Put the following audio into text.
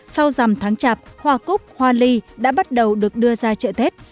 sau dằm tháng chạp hoa cúc hoa ly đã bắt đầu được đưa ra chợ tết